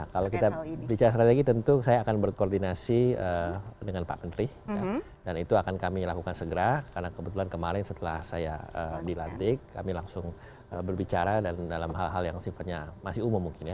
kalau kita bicara strategi tentu saya akan berkoordinasi dengan pak menteri dan itu akan kami lakukan segera karena kebetulan kemarin setelah saya dilantik kami langsung berbicara dan dalam hal hal yang sifatnya masih umum mungkin ya